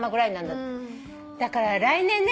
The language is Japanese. だから来年ね